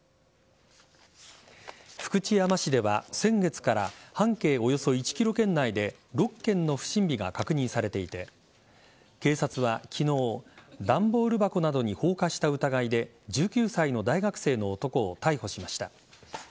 福知山市では先月から半径およそ１ｋｍ圏内で６件の不審火が確認されていて警察は昨日段ボール箱などに放火した疑いで１９歳の大学生の男を逮捕しました。